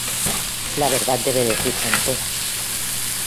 La verdad debe decirse entera.